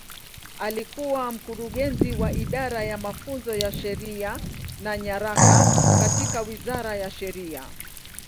Alikuwa Mkurugenzi wa Idara ya Mafunzo ya Sheria na Nyaraka katika Wizara ya Sheria.